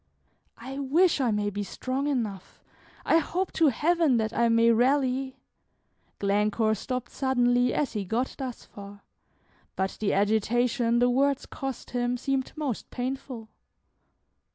"I wish I may be strong enough; I hope to Heaven that I may rally " Glencore stopped suddenly as he got thus far, but the agitation the words cost him seemed most painful.